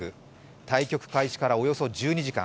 対局開始からおよそ１２時間。